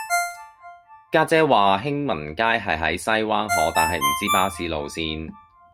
家姐話興民街係喺西灣河但係唔知巴士路線